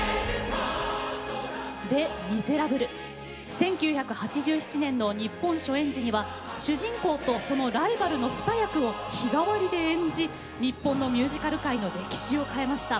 １９８７年の日本初演時には主人公とそのライバルの２役を日替わりで演じ日本のミュージカル界の歴史を変えました。